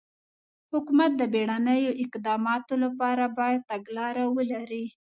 حکومت د بېړنیو اقداماتو لپاره باید تګلاره ولري.